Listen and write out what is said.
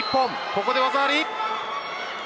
ここで技あり。